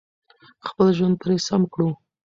خپل ژوند پرې سم کړو.